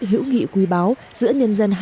hữu nghị quý báo giữa nhân dân